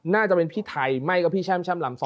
น่าจะเป็นพี่ไทยไม่ก็พี่แช่มลำ๒